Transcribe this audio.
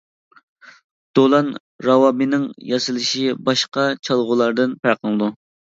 دولان راۋابىنىڭ ياسىلىشى باشقا چالغۇلاردىن پەرقلىنىدۇ.